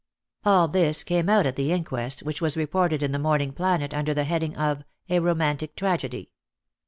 "'All this came out at the inquest, which was reported in the Morning Planet under the heading of "A Romantic Tragedy."